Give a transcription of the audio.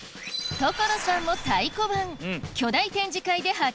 所さんも太鼓判！